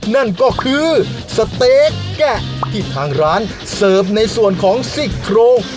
นั่นก็คือสเต๊กแกะที่ทางร้านเสิร์ฟในส่วนของซิกโครง